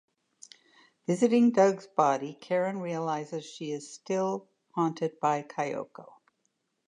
Visiting Doug's body, Karen realizes she is still haunted by Kayako.